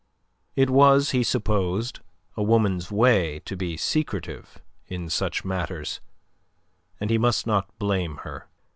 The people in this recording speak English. It was, he supposed, a woman's way to be secretive in such matters, and he must not blame her.